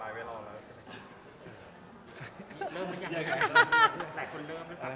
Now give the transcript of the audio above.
แต่แพลนฝากไข่นี่คือแพลนเอาไว้เรียบร้อยแล้ว